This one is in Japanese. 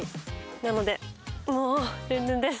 なので、もう、ルンルンです。